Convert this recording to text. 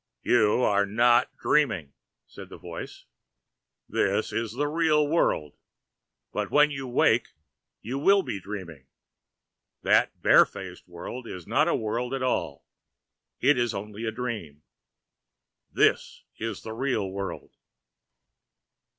"You are not dreaming," said the voice. "This is the real world. But when you wake you will be dreaming. That barefaced world is not a world at all. It is only a dream. This is the real world."